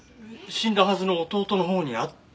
死んだはずの弟のほうに会った？